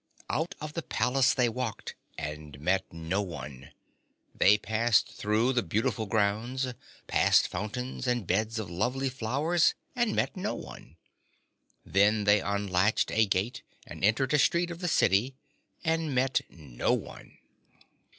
Out of the palace they walked, and met no one. They passed through the beautiful grounds, past fountains and beds of lovely flowers, and met no one. Then they unlatched a gate and entered a street of the city, and met no one.